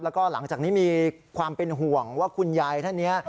แล้วก็หลังจากนี้มีความเป็นห่วงว่าคุณยายท่านนี้